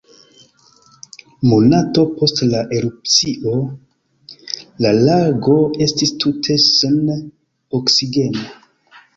Monaton post la erupcio, la lago estis tute sen oksigeno.